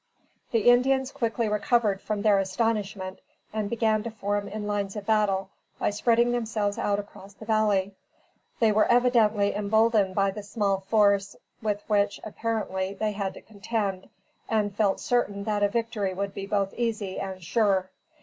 The Indians quickly recovered from their astonishment and began to form in line of battle by spreading themselves out across the valley. They were evidently emboldened by the small force with which, apparently, they had to contend, and felt certain that a victory would be both easy and sure.